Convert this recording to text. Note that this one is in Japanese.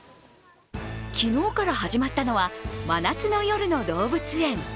昨日から始まったのは真夏の夜の動物園。